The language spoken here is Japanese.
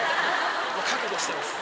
覚悟してます。